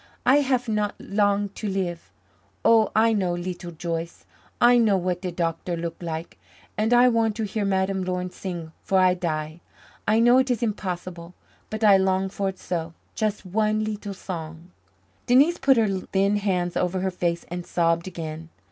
I haf not long to live. Oh, I know, Leetle Joyce I know what de doctor look lak and I want to hear Madame Laurin sing 'fore I die. I know it is impossible but I long for it so just one leetle song." Denise put her thin hands over her face and sobbed again.